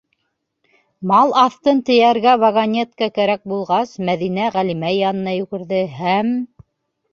Мал аҫтын тейәргә вагонетка кәрәк булғас, Мәҙинә Ғәлимә янына йүгерҙе һәм...